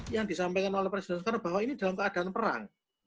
yang disampaikan oleh presiden soekarno bahwa ini dalam keadaan perang